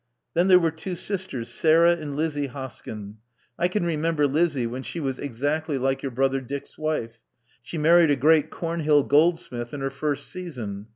Then there were two sisters, Sarah and Lizzie Hoskyn. I Love Among the Artists ' 297 can remember Lizzie when she was exactly like your brother Dick's wife. She married a great Comhill goldsmith in her first season.